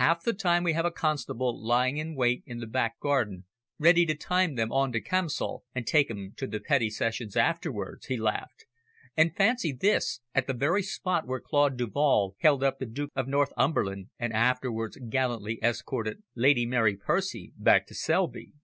Half the time we have a constable lying in wait in the back garden ready to time them on to Campsall, and take 'em to the Petty Sessions afterwards!" he laughed; "and fancy this at the very spot where Claude Duval held up the Duke of Northumberland and afterwards gallantly escorted Lady Mary Percy back to Selby."